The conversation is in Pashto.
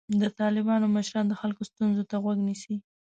د طالبانو مشران د خلکو ستونزو ته غوږ نیسي.